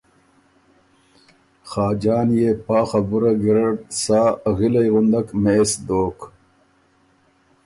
خاجان يې پا خبُره ګیرډ سا غِلئ غُندک مېس دوک